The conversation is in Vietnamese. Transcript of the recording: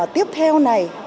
tiếp theo này